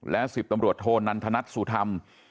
และ๑๐ตำรวจโทนันทนัทสุธรรม